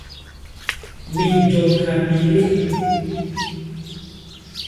Mɛn jɔ ha mɛn lé.